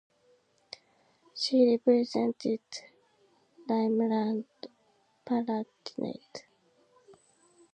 She represented Rhineland-Palatinate.